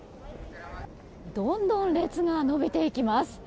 どんどん列が延びていきます。